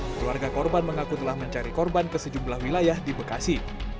keluarga korban mengaku telah mencari korban ke sejumlah wilayah di bekasi